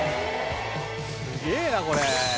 「すげえな！これ」